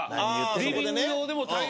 リビング用でも対応。